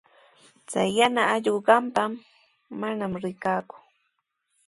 Chay yana allqu qamprami, manami rikanku.